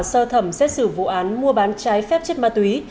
sơ thẩm xét xử vụ án mua bán trái phép chất ma túy